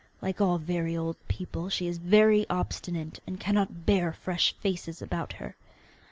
Like all very old people, she is very obstinate, and cannot bear fresh faces about her.